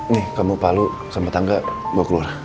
nih kamu pak lu sama tangga gue keluar